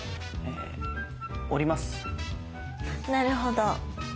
えなるほど。